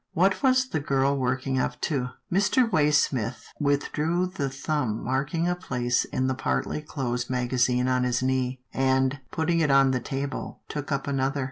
What was the girl working up to? Mr. Way smith withdrew the thumb marking a place in the partly closed magazine on his knee, and, putting it on the table, took up another.